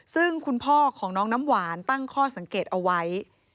ซึ่งคุณพ่อของน้องน้ำหวานตั้งข้อสังเกตเอาไว้